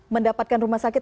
mendapatkan rumah sakit